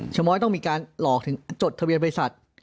ชะม้อยต้องมีการหลอกถึงจดทะเบียนบริษัท